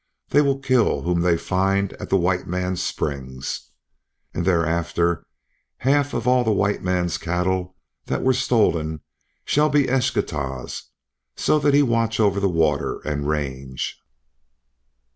They will kill whom they find at the white man's springs. And thereafter half of all the white man's cattle that were stolen shall be Eschtah's, so that he watch over the water and range."